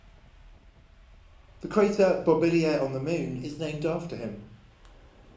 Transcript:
The crater Bobillier on the Moon is named after him.